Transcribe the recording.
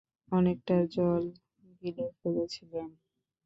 অনেকটা জল গিলে ফেলেছিলাম।